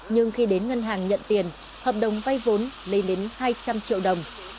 nhưng khi đến ngân hàng nhận tiền hợp đồng vay vốn lên đến hai trăm linh triệu đồng